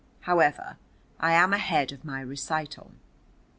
However, I am ahead of my recital.